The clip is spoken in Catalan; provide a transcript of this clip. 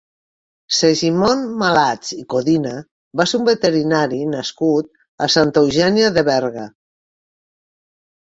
Segimon Malats i Codina va ser un veterinari nascut a Santa Eugènia de Berga.